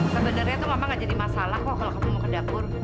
sebenernya tuh mama gak jadi masalah kok kalau kamu mau ke dapur